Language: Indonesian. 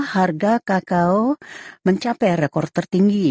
harga kakao mencapai rekor tertinggi